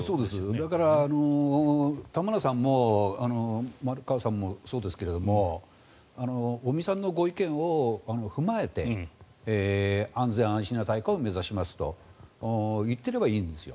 だから、田村さんも丸川さんもそうですけども尾身さんのご意見を踏まえて安全安心な大会を目指しますと言ってればいいんですよ。